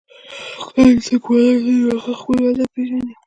کله چې څوک بازار ته ځي نو هغه خپل هدف پېژني